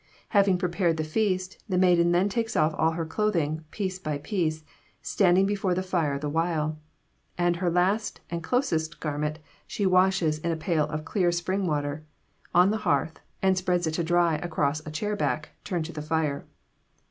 Having prepared the feast, the maiden then takes off all her clothing, piece by piece, standing before the fire the while, and her last and closest garment she washes in a pail of clear spring water, on the hearth, and spreads it to dry across a chair back turned to the fire.